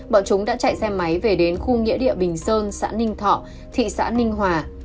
bọn chúng đã chạy xe máy về đến khu nghĩa địa bình sơn xã ninh thọ thị xã ninh hòa